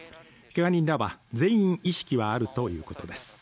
けが人らは全員意識はあるということです